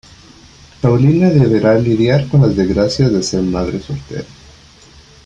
Paulina deberá lidiar con las desgracias de ser madre soltera.